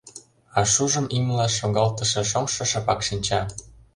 А шужым имыла шогалтыше шоҥшо шыпак шинча.